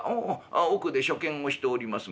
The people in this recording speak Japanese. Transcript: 「お奥で書見をしておりますが。